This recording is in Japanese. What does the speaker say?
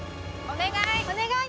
お願い！